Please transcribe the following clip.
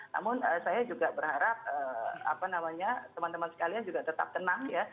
namun saya juga berharap teman teman sekalian juga tetap tenang ya